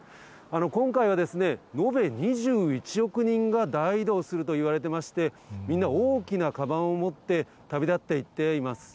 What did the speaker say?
今回は延べ２１億人が大移動するといわれてまして、みんな大きなかばんを持って、旅立っていっています。